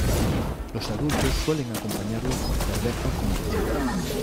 Los adultos suelen acompañarlo con cerveza como bebida.